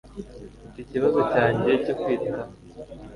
Mfite ikibazo cyanjye cyo kwitaho.